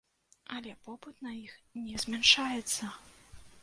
Але попыт на іх не змяншаецца!